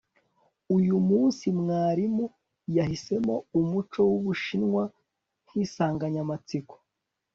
uyu munsi mwarimu yahisemo umuco wubushinwa nkinsanganyamatsiko